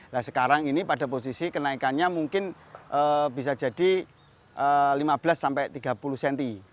nah sekarang ini pada posisi kenaikannya mungkin bisa jadi lima belas sampai tiga puluh cm